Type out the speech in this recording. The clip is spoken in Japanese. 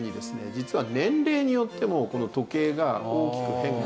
実は年齢によってもこの時計が大きく変化するんですよ。